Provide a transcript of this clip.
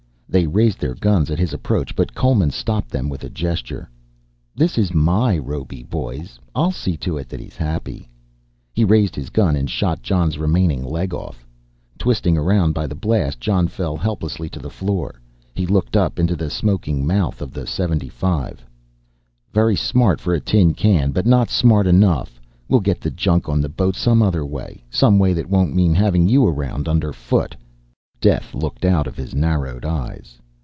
They raised their guns at his approach but Coleman stopped them with a gesture. "This is my robe, boys, I'll see to it that he's happy." He raised his gun and shot Jon's remaining leg off. Twisted around by the blast, Jon fell helplessly to the floor. He looked up into the smoking mouth of the .75. "Very smart for a tin can, but not smart enough. We'll get the junk on the boat some other way, some way that won't mean having you around under foot." Death looked out of his narrowed eyes.